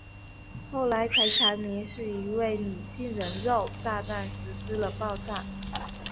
后来才查明是一位女性人肉炸弹实施了爆炸。